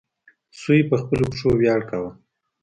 سوی په خپلو پښو ویاړ کاوه.